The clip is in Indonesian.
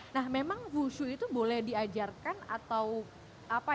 nah memang wushu itu boleh diajarkan atau apa ya